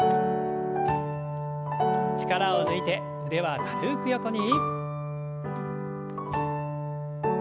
力を抜いて腕は軽く横に。